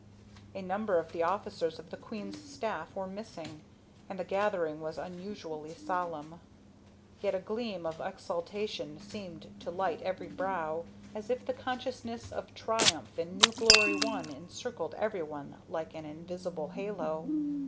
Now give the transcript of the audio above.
A number of the officers of the queen's staff were missing, and the gathering was unusually solemn. Yet a gleam of exaltation seemed to light every brow as if the consciousness of triumph and new glory won encircled everyone like an invisible halo.